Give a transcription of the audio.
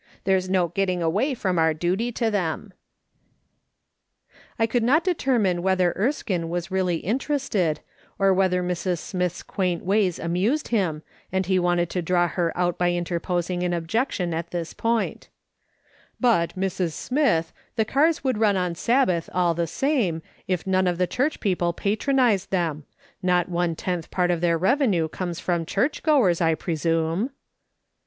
There's no getting away from our duty to them." I could not determine whether Erskine was really interested, or Avhether Mrs. Smith's quaint ways amused him, and he wanted to draw her out by in terposing an objection at this point : "PERHAPS SHE'S RIGHT." Ilg " But, IMrs. Smith, the cars would run on Sal)l )ath all the same, if none of the church people patronised them ; not one tenth part of their revenue comes from church goers, I presume."